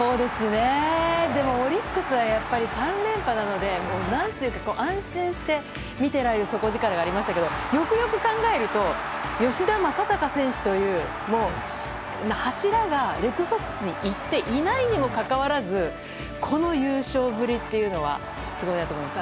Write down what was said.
でも、オリックスはやっぱり３連覇なのでもう安心して見ていられる底力がありましたけどよくよく考えると吉田正尚選手という柱がレッドソックスに行っていないにもかかわらずこの優勝ぶりというのはすごいなと思います。